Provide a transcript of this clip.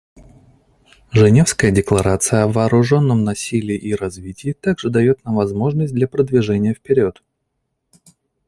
Женевская декларация о вооруженном насилии и развитии также дает нам возможность для продвижения вперед.